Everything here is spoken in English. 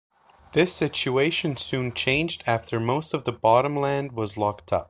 This situation soon changed after most of the bottom land was locked up.